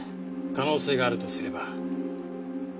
可能性があるとすれば。